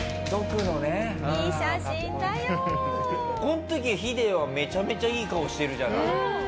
この時ヒデはめちゃめちゃいい顔してるじゃない。